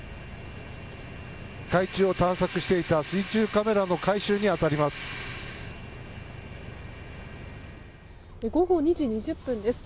海中を探索していた水中カメラの回収に当たります。